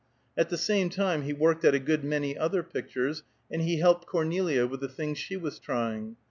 At the same time he worked at a good many other pictures, and he helped Cornelia with the things she was trying.